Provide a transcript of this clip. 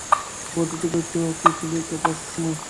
বৌদ্ধদের একটু আছে বে-থার সময়।